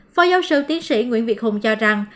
phó giáo sư tiến sĩ nguyễn việt hùng cho rằng